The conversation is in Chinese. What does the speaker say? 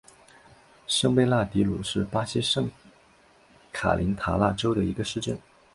圣贝纳迪努是巴西圣卡塔琳娜州的一个市镇。